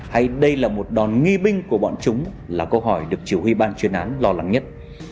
hay đây là một đòn nghi binh của bọn chúng là câu hỏi được chỉ huy ban chuyên án lo lắng nhất